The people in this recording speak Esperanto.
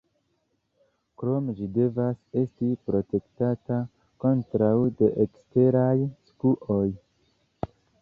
Krome, ĝi devas esti protektata kontraŭ deeksteraj skuoj.